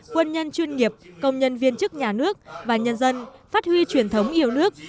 quân nhân chuyên nghiệp công nhân viên chức nhà nước và nhân dân phát huy truyền thống yêu nước